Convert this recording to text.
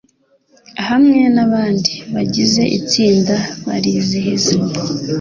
hamwe nabandi bagize itsinda barizihiza.